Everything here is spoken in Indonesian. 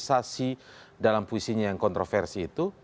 perlu dia meneliti politisasi dalam puisinya yang kontroversi itu